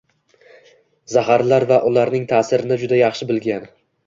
Zaharlar va ularning ta’sirini juda yaxshi bilgan